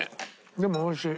でもおいしい。